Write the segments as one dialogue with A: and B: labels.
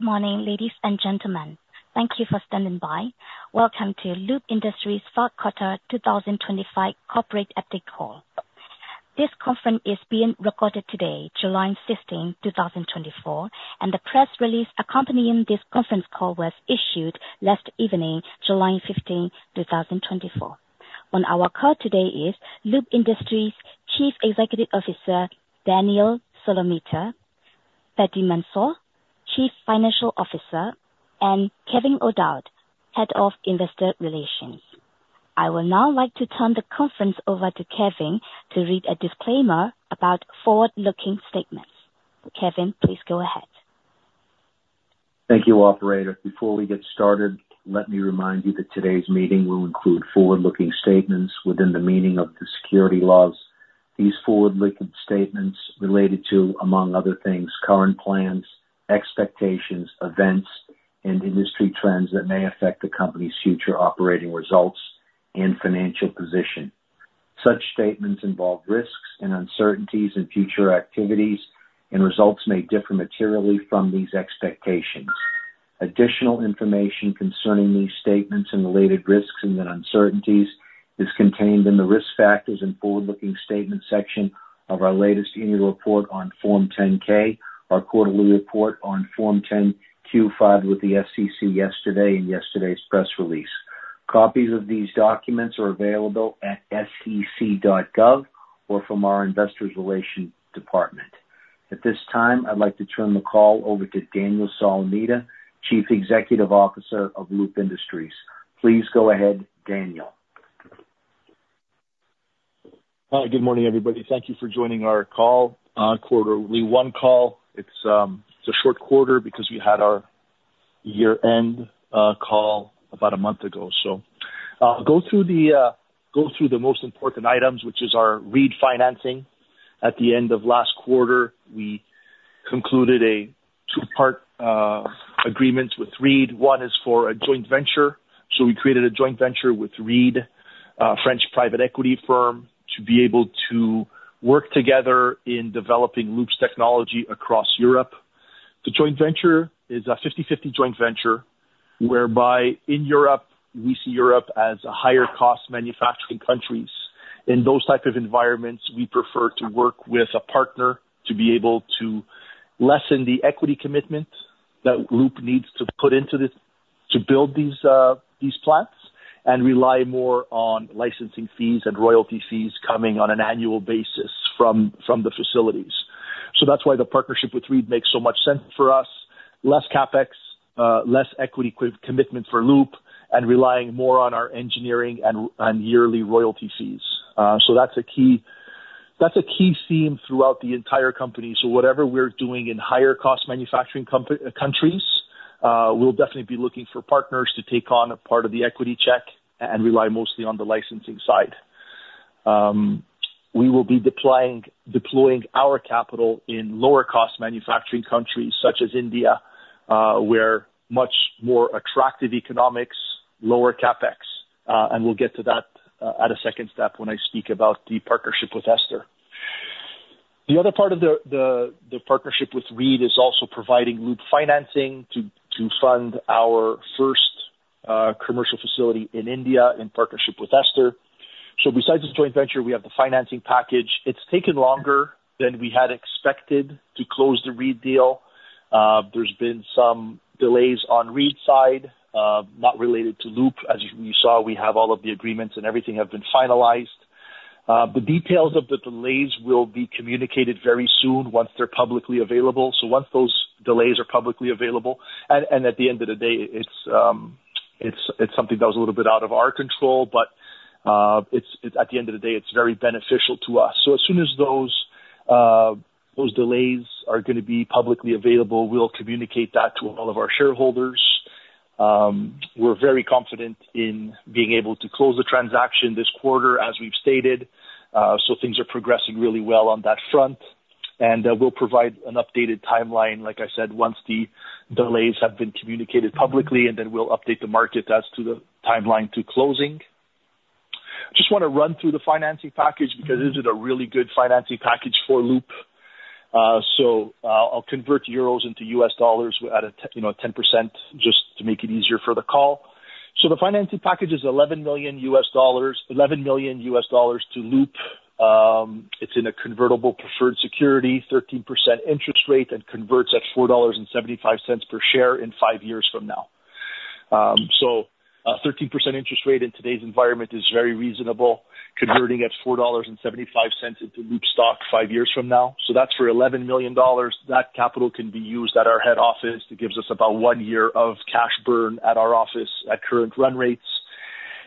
A: Good morning, ladies and gentlemen. Thank you for standing by. Welcome to Loop Industries' First Quarter 2025 Corporate Update Call. This conference is being recorded today, July 15, 2024, and the press release accompanying this conference call was issued last evening, July 15, 2024. On our call today is Loop Industries' Chief Executive Officer, Daniel Solomita, Fady Mansour, Chief Financial Officer, and Kevin O'Dowd, Head of Investor Relations. I will now like to turn the conference over to Kevin to read a disclaimer about forward-looking statements. Kevin, please go ahead.
B: Thank you, operator. Before we get started, let me remind you that today's meeting will include forward-looking statements within the meaning of the securities laws. These forward-looking statements related to, among other things, current plans, expectations, events, and industry trends that may affect the company's future operating results and financial position. Such statements involve risks and uncertainties in future activities, and results may differ materially from these expectations. Additional information concerning these statements and related risks and uncertainties is contained in the Risk Factors and Forward-Looking Statement section of our latest annual report on Form 10-K, our quarterly report on Form 10-Q filed with the SEC yesterday, and yesterday's press release. Copies of these documents are available at sec.gov or from our Investor Relations department. At this time, I'd like to turn the call over to Daniel Solomita, Chief Executive Officer of Loop Industries. Please go ahead, Daniel.
C: Hi, good morning, everybody. Thank you for joining our call, our Quarter 1 call. It's a short quarter because we had our year-end call about a month ago. So I'll go through the most important items, which is our Reed financing. At the end of last quarter, we concluded a two-part agreement with Reed. One is for a joint venture, so we created a joint venture with Reed, a French private equity firm, to be able to work together in developing Loop's technology across Europe. The joint venture is a 50/50 joint venture, whereby in Europe, we see Europe as a higher cost manufacturing countries. In those type of environments, we prefer to work with a partner to be able to lessen the equity commitment that Loop needs to put into this to build these plants, and rely more on licensing fees and royalty fees coming on an annual basis from the facilities. So that's why the partnership with Reed makes so much sense for us. Less CapEx, less equity commitment for Loop and relying more on our engineering and yearly royalty fees. So that's a key theme throughout the entire company. So whatever we're doing in higher cost manufacturing countries, we'll definitely be looking for partners to take on a part of the equity stake and rely mostly on the licensing side. We will be deploying our capital in lower cost manufacturing countries such as India, where much more attractive economics, lower CapEx, and we'll get to that at a second step when I speak about the partnership with Ester. The other part of the partnership with Reed is also providing Loop financing to fund our first commercial facility in India, in partnership with Ester. So besides this joint venture, we have the financing package. It's taken longer than we had expected to close the Reed deal. There's been some delays on Reed's side, not related to Loop. As you saw, we have all of the agreements and everything have been finalized. The details of the delays will be communicated very soon, once they're publicly available. So once those delays are publicly available... And at the end of the day, it's something that was a little bit out of our control, but it's, at the end of the day, it's very beneficial to us. So as soon as those delays are gonna be publicly available, we'll communicate that to all of our shareholders. We're very confident in being able to close the transaction this quarter, as we've stated. So things are progressing really well on that front, and we'll provide an updated timeline, like I said, once the delays have been communicated publicly, and then we'll update the market as to the timeline to closing. I just want to run through the financing package, because this is a really good financing package for Loop. So, I'll convert euros into US dollars at a you know, 10%, just to make it easier for the call. So the financing package is $11 million, $11 million to Loop. It's in a convertible preferred security, 13% interest rate, and converts at $4.75 per share in five years from now. So a 13% interest rate in today's environment is very reasonable, converting at $4.75 into Loop stock five years from now. So that's for $11 million. That capital can be used at our head office. It gives us about one year of cash burn at our office at current run rates.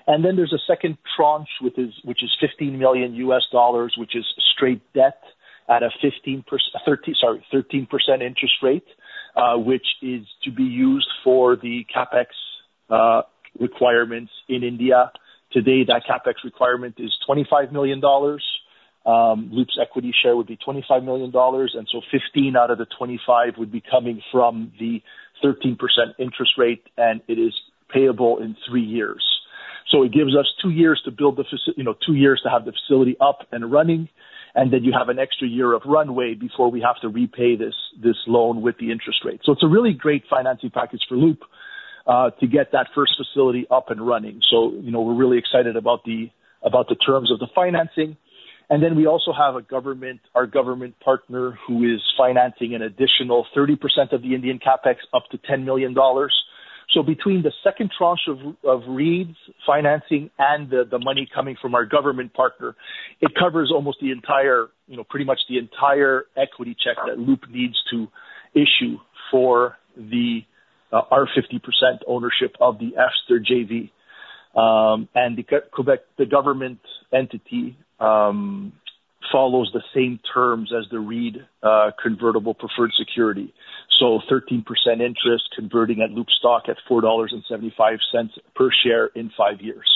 C: And then there's a second tranche, which is $15 million, which is straight debt at a 15 percent. Thirty, sorry, 13% interest rate, which is to be used for the CapEx requirements in India. Today, that CapEx requirement is $25 million. Loop's equity share would be $25 million, and so 15 out of the 25 would be coming from the 13% interest rate, and it is payable in three years. So it gives us two years to build the facility, you know, two years to have the facility up and running, and then you have an extra year of runway before we have to repay this, this loan with the interest rate. So it's a really great financing package for Loop, to get that first facility up and running. So, you know, we're really excited about the, about the terms of the financing. Then we also have a government, our government partner, who is financing an additional 30% of the Indian CapEx, up to $10 million. So between the second tranche of Reed's financing and the money coming from our government partner, it covers almost the entire, you know, pretty much the entire equity check that Loop needs to issue for the our 50% ownership of the Ester JV. And the Quebec, the government entity, follows the same terms as the Reed convertible preferred security. So 13% interest converting at Loop stock at $4.75 per share in 5 years.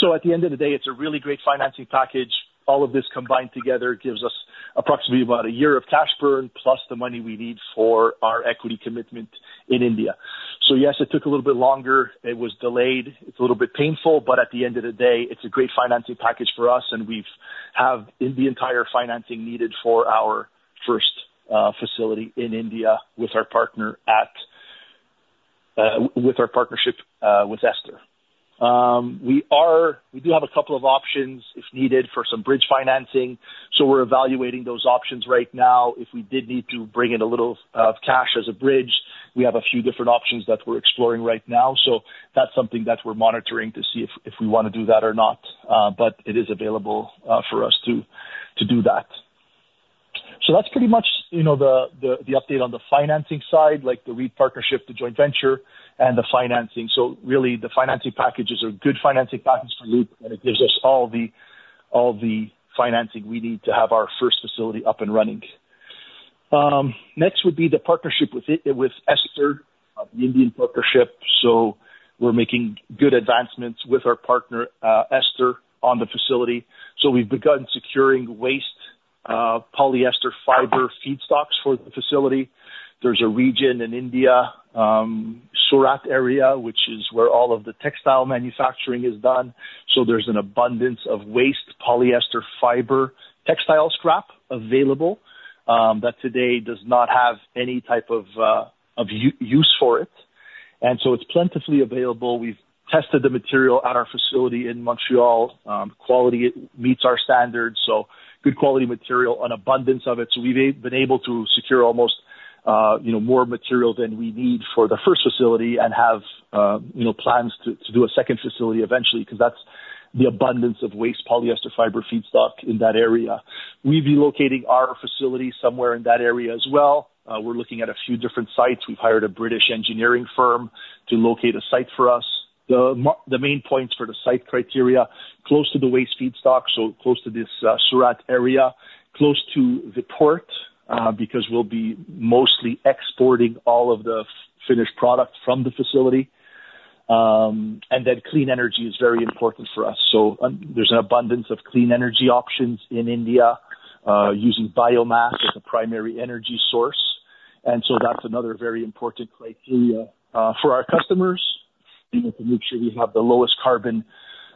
C: So at the end of the day, it's a really great financing package. All of this combined together gives us approximately about a year of cash burn, plus the money we need for our equity commitment in India. So yes, it took a little bit longer. It was delayed. It's a little bit painful, but at the end of the day, it's a great financing package for us, and we've the entire financing needed for our first facility in India with our partner with our partnership with Ester. We do have a couple of options, if needed, for some bridge financing, so we're evaluating those options right now. If we did need to bring in a little cash as a bridge, we have a few different options that we're exploring right now. So that's something that we're monitoring to see if we wanna do that or not. But it is available for us to do that. So that's pretty much, you know, the update on the financing side, like the Reed partnership, the joint venture, and the financing. So really, the financing packages are good financing package for Loop, and it gives us all the financing we need to have our first facility up and running. Next would be the partnership with Ester, the Indian partnership. So we're making good advancements with our partner, Ester, on the facility. So we've begun securing waste polyester fiber feedstocks for the facility. There's a region in India, Surat area, which is where all of the textile manufacturing is done. So there's an abundance of waste polyester fiber, textile scrap available that today does not have any type of use for it, and so it's plentifully available. We've tested the material at our facility in Montreal. Quality meets our standards, so good quality material, an abundance of it. So we've been able to secure almost, you know, more material than we need for the first facility and have, you know, plans to do a second facility eventually, because that's the abundance of waste polyester fiber feedstock in that area. We'll be locating our facility somewhere in that area as well. We're looking at a few different sites. We've hired a British engineering firm to locate a site for us. The main points for the site criteria, close to the waste feedstock, so close to this Surat area. Close to the port, because we'll be mostly exporting all of the finished product from the facility. And then clean energy is very important for us. So there's an abundance of clean energy options in India, using biomass as a primary energy source. And so that's another very important criteria, for our customers, you know, to make sure we have the lowest carbon,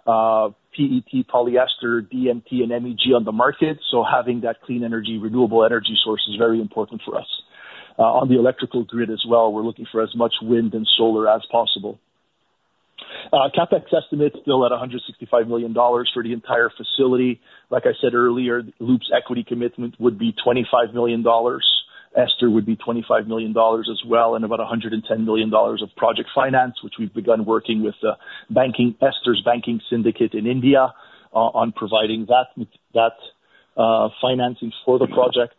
C: PET polyester, DMT, and MEG on the market. So having that clean energy, renewable energy source is very important for us. On the electrical grid as well, we're looking for as much wind and solar as possible. CapEx estimate is still at $165 million for the entire facility. Like I said earlier, Loop's equity commitment would be $25 million. Ester would be $25 million as well, and about $110 million of project finance, which we've begun working with the banking, Ester's banking syndicate in India, on providing that financing for the project.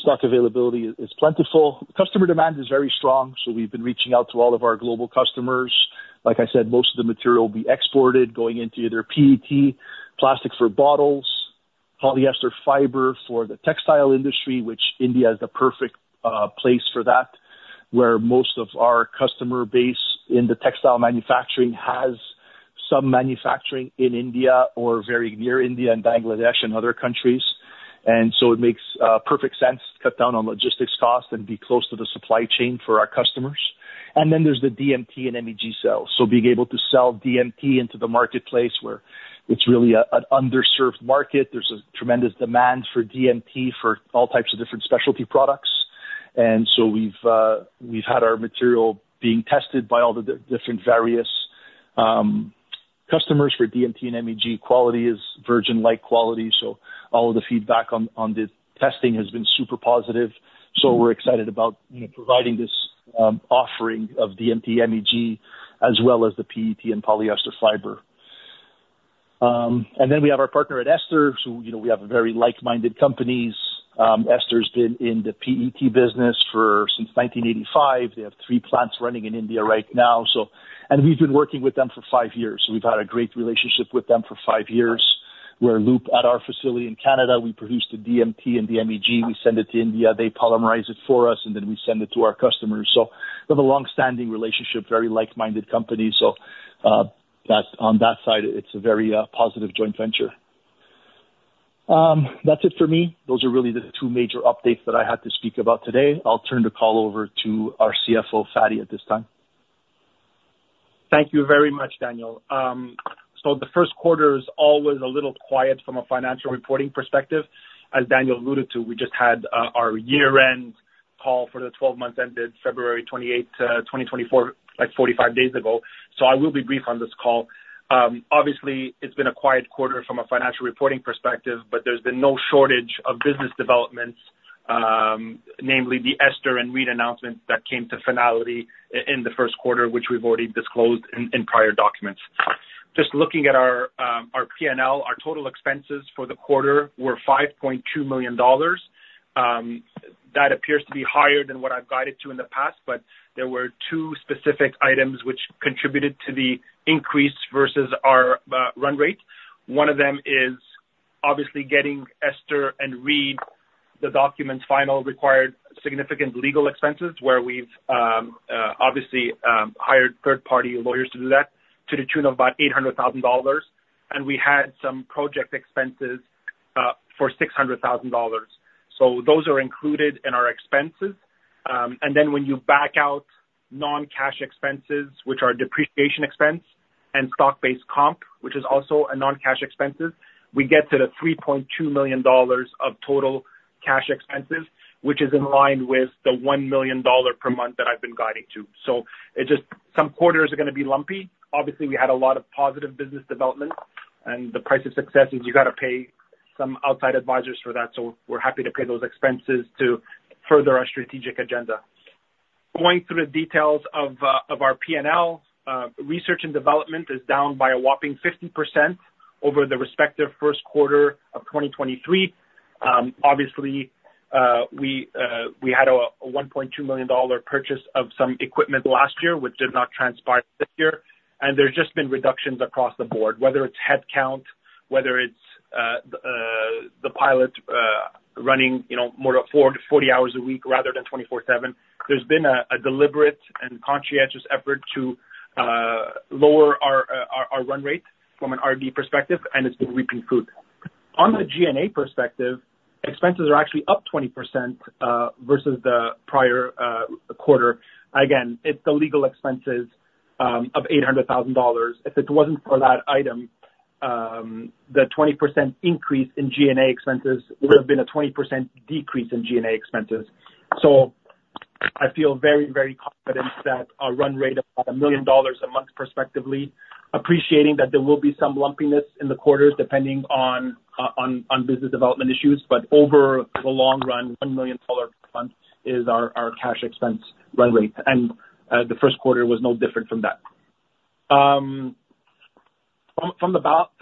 C: Stock availability is plentiful. Customer demand is very strong, so we've been reaching out to all of our global customers. Like I said, most of the material will be exported, going into either PET plastic for bottles, polyester fiber for the textile industry, which India is the perfect place for that, where most of our customer base in the textile manufacturing has some manufacturing in India or very near India and Bangladesh and other countries. And so it makes perfect sense to cut down on logistics costs and be close to the supply chain for our customers. And then there's the DMT and MEG sales. So being able to sell DMT into the marketplace, where it's really an underserved market. There's a tremendous demand for DMT for all types of different specialty products. So we've had our material being tested by all the different various customers for DMT and MEG. Quality is virgin-like quality, so all of the feedback on the testing has been super positive. So we're excited about, you know, providing this offering of DMT, MEG, as well as the PET and polyester fiber. And then we have our partner at Ester, so, you know, we have very like-minded companies. Ester's been in the PET business for since 1985. They have three plants running in India right now, so. And we've been working with them for five years. So we've had a great relationship with them for five years, where Loop, at our facility in Canada, we produce the DMT and the MEG. We send it to India, they polymerize it for us, and then we send it to our customers. So we have a long-standing relationship, very like-minded company. So, that's, on that side, it's a very positive joint venture. That's it for me. Those are really the two major updates that I had to speak about today. I'll turn the call over to our CFO, Fady, at this time.
D: Thank you very much, Daniel. So the first quarter is always a little quiet from a financial reporting perspective. As Daniel alluded to, we just had our year-end call for the twelve months ended February 28, 2024, like 45 days ago, so I will be brief on this call. Obviously, it's been a quiet quarter from a financial reporting perspective, but there's been no shortage of business developments, namely the Ester and Reed announcements that came to finality in the first quarter, which we've already disclosed in prior documents. Just looking at our P&L, our total expenses for the quarter were $5.2 million. That appears to be higher than what I've guided to in the past, but there were two specific items which contributed to the increase versus our run rate. One of them is obviously getting Ester and Reed, the documents final required significant legal expenses, where we've obviously hired third-party lawyers to do that, to the tune of about $800,000. And we had some project expenses for $600,000. So those are included in our expenses. And then when you back out non-cash expenses, which are depreciation expense and stock-based comp, which is also a non-cash expenses, we get to the $3.2 million of total cash expenses, which is in line with the $1 million per month that I've been guiding to. So it's just some quarters are gonna be lumpy. Obviously, we had a lot of positive business development, and the price of success is you gotta pay some outside advisors for that. So we're happy to pay those expenses to further our strategic agenda. Going through the details of our P&L, research and development is down by a whopping 50% over the respective first quarter of 2023. Obviously, we had a $1.2 million purchase of some equipment last year, which did not transpire this year. And there's just been reductions across the board, whether it's headcount, whether it's the pilot running, you know, more 40 hours a week rather than 24/7. There's been a deliberate and conscientious effort to lower our run rate from an R&D perspective, and it's been reaping fruit. On the G&A perspective, expenses are actually up 20% versus the prior quarter. Again, it's the legal expenses of $800,000. If it wasn't for that item, the 20% increase in G&A expenses would have been a 20% decrease in G&A expenses. So I feel very, very confident that our run rate of about $1 million a month prospectively, appreciating that there will be some lumpiness in the quarters depending on business development issues, but over the long run, $1 million a month is our cash expense run rate. And the first quarter was no different from that. From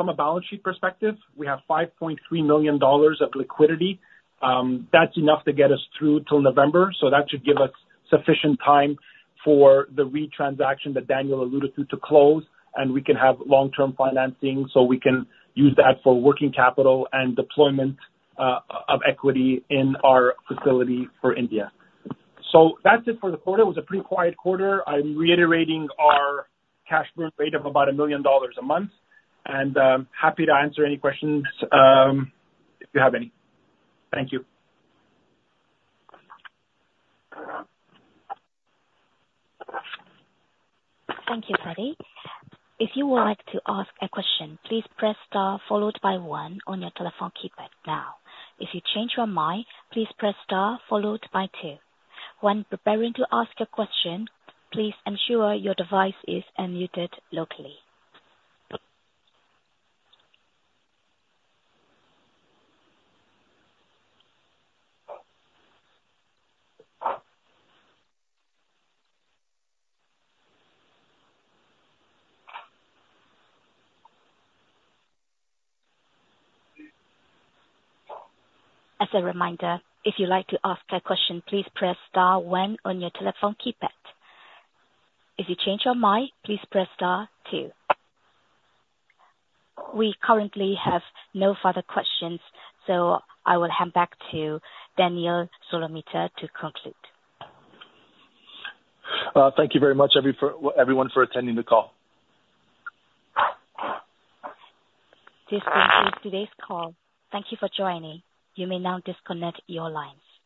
D: a balance sheet perspective, we have $5.3 million of liquidity. That's enough to get us through till November, so that should give us sufficient time for the Reed transaction that Daniel alluded to, to close, and we can have long-term financing, so we can use that for working capital and deployment of equity in our facility for India. So that's it for the quarter. It was a pretty quiet quarter. I'm reiterating our cash burn rate of about $1 million a month, and happy to answer any questions if you have any. Thank you.
A: Thank you, Fady. If you would like to ask a question, please press star followed by one on your telephone keypad now. If you change your mind, please press star followed by two. When preparing to ask a question, please ensure your device is unmuted locally. As a reminder, if you'd like to ask a question, please press star one on your telephone keypad. If you change your mind, please press star two. We currently have no further questions, so I will hand back to Daniel Solomita to conclude.
C: Thank you very much, everyone for attending the call.
A: This concludes today's call. Thank you for joining. You may now disconnect your lines.